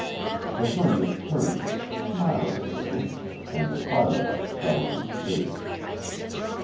The hermit turned, smiling a little, and the firelight fell on his face.